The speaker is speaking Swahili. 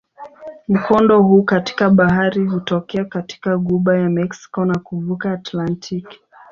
Mkondo huu katika bahari hutokea katika ghuba ya Meksiko na kuvuka Atlantiki.